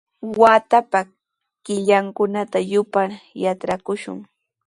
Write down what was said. Watapa killankunata yupar yatrakushun.